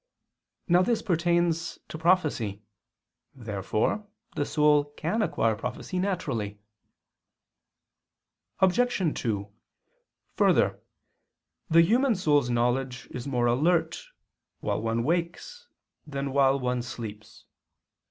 Now this pertains to prophecy. Therefore the soul can acquire prophecy naturally. Obj. 2: Further, the human soul's knowledge is more alert while one wakes than while one sleeps.